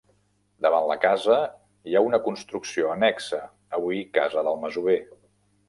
Davant la casa hi ha una construcció annexa, avui casa del masover.